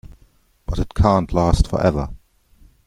But it can't last for ever.